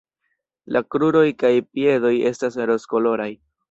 La kruroj kaj piedoj estas rozkoloraj.